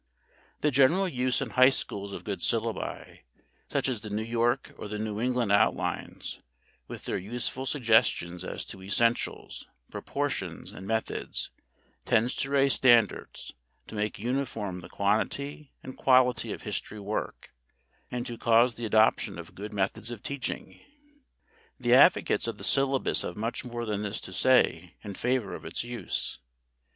The general use in high schools of good syllabi such as the New York or the New England outlines with their useful suggestions as to essentials, proportions and methods tends to raise standards, to make uniform the quantity and quality of history work, and to cause the adoption of good methods of teaching. The advocates of the syllabus have much more than this to say in favor of its use.